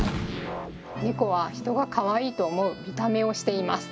ネコは人がかわいいと思う見た目をしています。